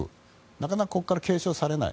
なかなかここから検証されない。